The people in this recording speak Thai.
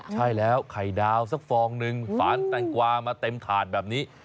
ใช่แล้วไข่ดาวสักฟองนึงฝานแตงกวามาเต็มถาดแบบนี้